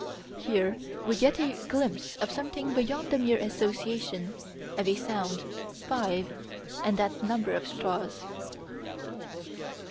Here we get a glimpse of something beyond the mere association of a sound "Five" and that number of straws.